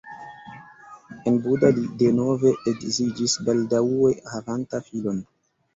En Buda li denove edziĝis baldaŭe havanta filon.